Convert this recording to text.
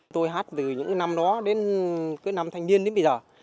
tôi hát từ những năm đó đến năm thành viên đến bây giờ